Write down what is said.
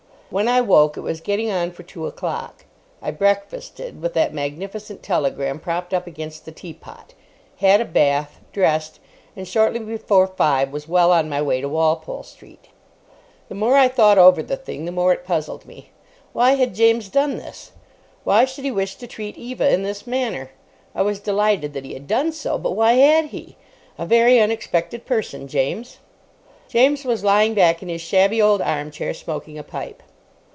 When I woke, it was getting on for two o'clock. I breakfasted, with that magnificent telegram propped up against the teapot; had a bath, dressed, and shortly before five was well on my way to Walpole Street. The more I thought over the thing, the more it puzzled me. Why had James done this? Why should he wish to treat Eva in this manner? I was delighted that he had done so, but why had he? A very unexpected person, James. James was lying back in his shabby old armchair, smoking a pipe.